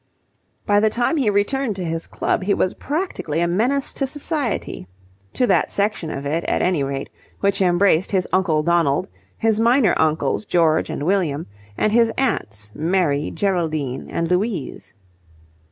By the time he returned to his club he was practically a menace to society to that section of it, at any rate, which embraced his Uncle Donald, his minor uncles George and William, and his aunts Mary, Geraldine, and Louise.